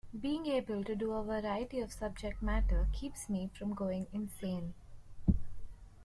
Being able to do a variety of subject matter keeps me from going insane.